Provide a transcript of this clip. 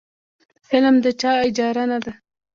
علم د چا اجاره نه ده.